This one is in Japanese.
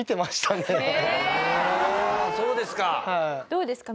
どうですか？